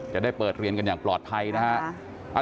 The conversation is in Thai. จะได้เปิดเรียนกันอย่างปลอดภัยนะครับ